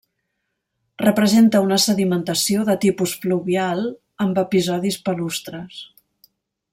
Representa una sedimentació de tipus fluvial amb episodis palustres.